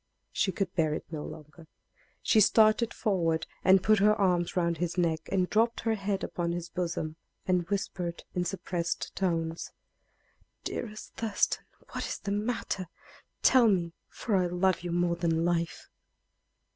She could bear it no longer. She started forward and put her arms around his neck, and dropped her head upon his bosom, and whispered in suppressed tones: "Dearest Thurston, what is the matter? Tell me, for I love you more than life!"